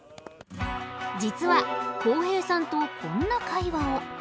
実は浩平さんとこんな会話を。